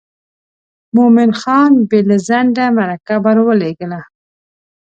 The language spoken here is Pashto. مومن خان بې له ځنډه مرکه ور ولېږله.